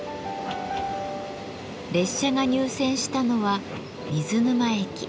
列車が入線したのは水沼駅。